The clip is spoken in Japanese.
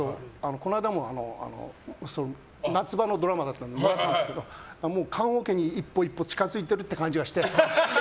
この間も夏場のドラマだったんだけど棺桶に一歩一歩近づいてるって感じがして。